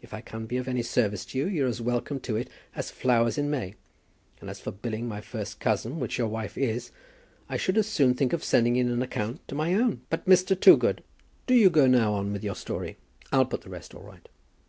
If I can be of any service to you, you're as welcome to it as flowers in May; and as for billing my first cousin, which your wife is, I should as soon think of sending in an account to my own." "But, Mr. Toogood, " "Do you go on now with your story; I'll put the rest all right."